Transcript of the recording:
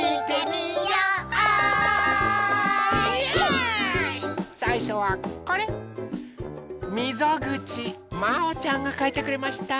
みぞぐちまおちゃんがかいてくれました。